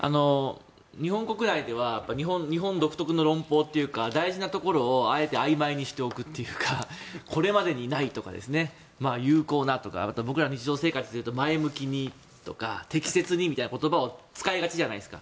日本国内では日本独特の論法というか大事なところをあえてあいまいにしておくというかこれまでにないとか有効なとか僕ら、日常生活で言うと前向きにとか適切にみたいな言葉を使いがちじゃないですか。